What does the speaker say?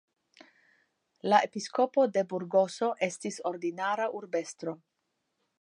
La Episkopo de Burgoso estis ordinara urbestro.